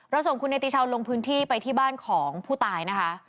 ส่งคุณเนติชาวลงพื้นที่ไปที่บ้านของผู้ตายนะคะ